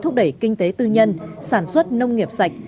thúc đẩy kinh tế tư nhân sản xuất nông nghiệp sạch